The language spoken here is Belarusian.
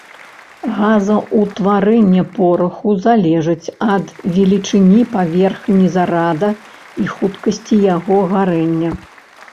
Газаўтварэнне пораху залежыць ад велічыні паверхні зарада і хуткасці яго гарэння.